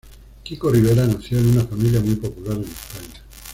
Kiko Rivera nació en una familia muy popular en España.